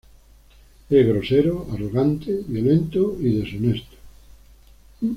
Es grosero, arrogante, violento y deshonesto.